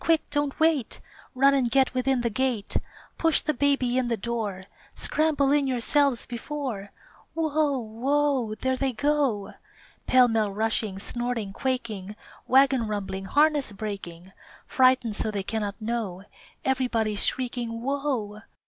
Quick! don't wait! Run and get within the gate! Push the baby in the door, Scramble in yourselves before Whoa! Whoa! There they go! Pell mell rushing, snorting, quaking, Wagon rumbling, harness breaking, Frightened so they cannot know Everybody's shrieking "_Whoa!